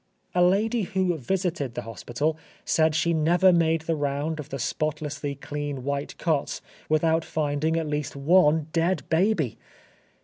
A lady who visited the hospital said she never made the round of the spotlessly clean white cots, without finding at least one dead baby!